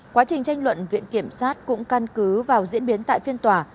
quá trình tranh luận viện kiểm sát cũng căn cứ vào diễn biến tại phiên tòa